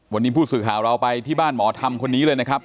วันนี้ผู้สื่อข่าวเราไปที่บ้านหมอธรรมคนนี้เลยนะครับ